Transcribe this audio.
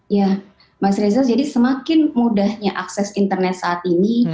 ya mas reza jadi semakin mudahnya akses internet saat ini